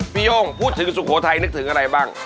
โย่งพูดถึงสุโขทัยนึกถึงอะไรบ้าง